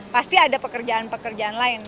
pasti ada pekerjaan pekerjaan lain